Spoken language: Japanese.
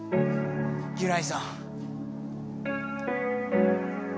ギュナイさん。